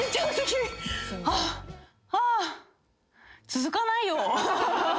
続かないよ。